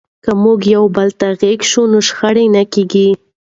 که موږ یو بل ته غوږ شو نو شخړې نه کېږي.